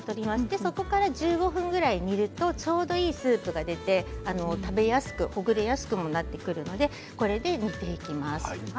そこから１５分ぐらい煮るとちょうどいいスープが出て食べやすく、ほぐれやすくもなってくるのでこれで煮ていきます。